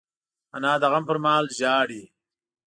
انا د غم پر مهال ژاړي